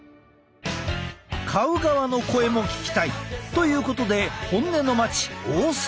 買う側の声も聞きたい！ということで本音の町大阪へ！